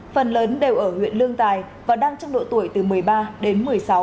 phần lớn đều ở huyện lương tài và đang trong độ tuổi từ một mươi ba đến một mươi sáu